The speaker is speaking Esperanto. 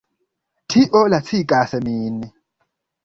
Tio lacigas min.